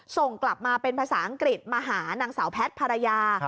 ส่งกลับมาเป็นภาษาอังกฤษมาหานางสาวแพทย์ภรรยา